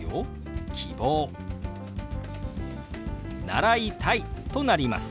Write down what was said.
「習いたい」となります。